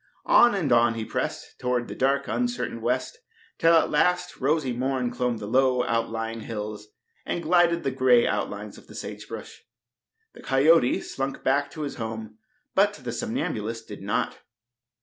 On and on he pressed, toward the dark, uncertain west, till at last rosy morn clomb the low, outlying hills and gilded the gray outlines of the sage brush. The coyote slunk back to his home, but the somnambulist did not.